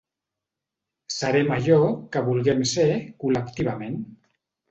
Serem allò que vulguem ser col·lectivament.